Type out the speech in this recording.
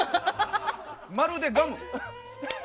まるでガム。